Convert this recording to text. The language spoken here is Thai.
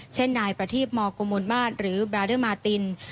เช่นนายประทีพมกุมลมาตรหรือบราเดอร์มาติน